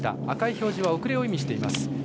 赤い表示は遅れを意味しています。